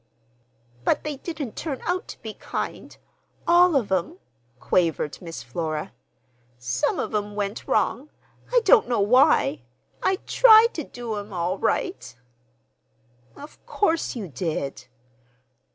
"But they didn't turn out to be kind—all of 'em," quavered Miss Flora. "Some of 'em went wrong. I don't know why. I tried to do 'em all right!" "Of course you did!"